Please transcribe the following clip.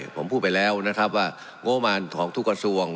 ผมพูดไปแล้วนะครับว่างบมารของทุกกระทรวง